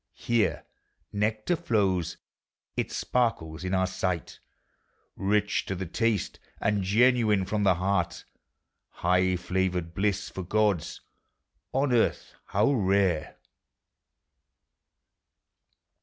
Here nectar flows; it sparkles in our sight; Kich to the taste, and genuine from the heart : Iligh flavored bliss for gods! on Earth how rare!